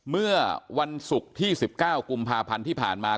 เมื่อวันศุกร์ที่๑๙กุมภาพันธ์ที่ผ่านมา